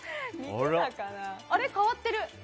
あれ、変わってる。